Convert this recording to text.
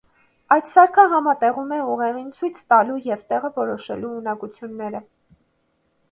Այդ սարքը համատեղում է ուղին ցույց տալու և տեղը որոշելու ունակությունները։